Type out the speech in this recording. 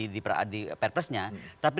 di perpresnya tapi